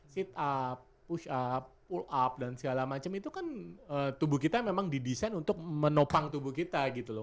sit up push up pull up dan segala macam itu kan tubuh kita memang didesain untuk menopang tubuh kita gitu loh